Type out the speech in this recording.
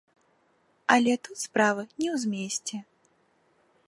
Але тут справа не ў змесце.